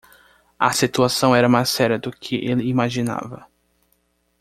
A situação era mais séria do que ele imaginava.